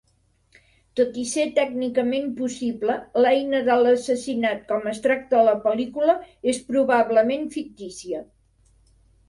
Tot i ser tècnicament possible, l'eina de l'assassinat com es tracta a la pel·lícula és probablement fictícia.